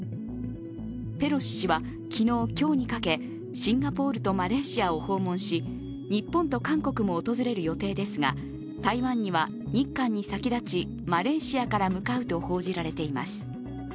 ペロシ氏は、昨日、今日にかけシンガポールとマレーシアを訪問し日本と韓国も訪れる予定ですが台湾には日韓に先立ちマレーシアから向かうと報じられています。